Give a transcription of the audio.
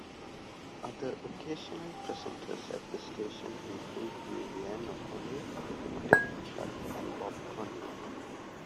Other occasional presenters at the station include Muireann O'Cononell, Derek Flood and Bob Conway.